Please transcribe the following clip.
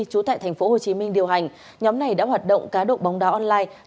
chú tại thành phố hồ chí minh điều hành nhóm này đã hoạt động cá độ bóng đá online